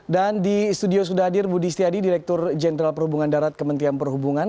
dan di studio sudah hadir budi istiadi direktur jenderal perhubungan darat kementerian perhubungan